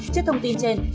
trước thông tin trên